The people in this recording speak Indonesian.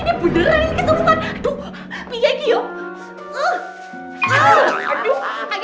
ini beneran ini kesukaan